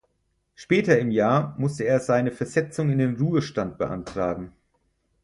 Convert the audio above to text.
Später im Jahr musste er seine Versetzung in den Ruhestand beantragen.